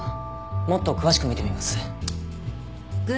もっと詳しく見てみます。